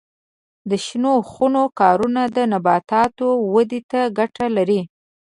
د شنو خونو کارونه د نباتاتو ودې ته ګټه لري.